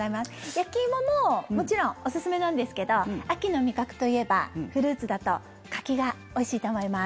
焼き芋ももちろんおすすめなんですけど秋の味覚といえば、フルーツだと柿がおいしいと思います。